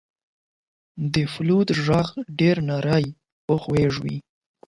• د فلوت ږغ ډېر نری او خوږ وي.